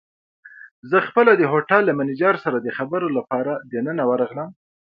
زه خپله د هوټل له مېنېجر سره د خبرو لپاره دننه ورغلم.